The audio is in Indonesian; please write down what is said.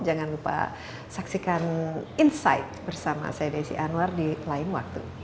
jangan lupa saksikan insight bersama saya desi anwar di lain waktu